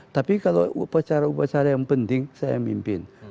tapi kalau upacara upacara yang penting saya mimpin